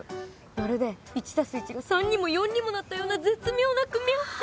まるで１足す１が３にも４にもなったような絶妙な組み合わせ。